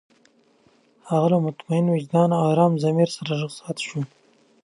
هغه له مطمئن وجدان او ارام ضمير سره رخصت شو.